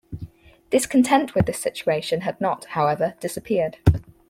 Discontent with this situation had not, however, disappeared.